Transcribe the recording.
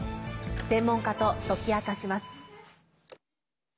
専門家と解き明かします。